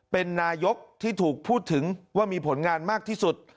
เป็นนายกที่ถูกพูดถึงว่ามีผลงานมากที่สุด